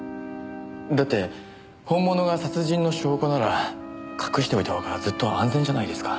だって本物が殺人の証拠なら隠しておいた方がずっと安全じゃないですか。